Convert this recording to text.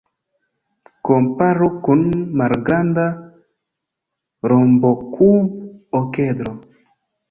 Komparu kun malgranda rombokub-okedro.